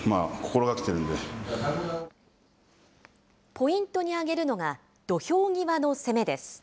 ポイントに挙げるのが土俵際の攻めです。